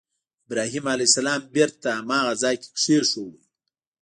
ابراهیم علیه السلام بېرته هماغه ځای کې کېښود.